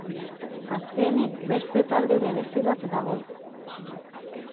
Azkenik, beste talde berezi bat dago.